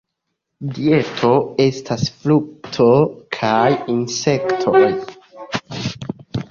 Dieto estas frukto kaj insektoj.